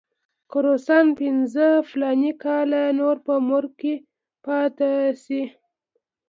که روسان پنځه فلاني کاله نور په مرو کې پاتې شي.